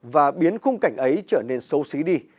và biến khung cảnh ấy trở nên xấu xí đi